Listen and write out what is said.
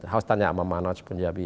hanya tanya sama manoj punjabi